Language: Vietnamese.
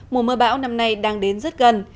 mùa mưa bão năm nay đang đến rất gần